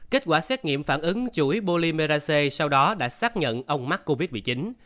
kết quả xét nghiệm phản ứng chuỗi bolimerac sau đó đã xác nhận ông mắc covid một mươi chín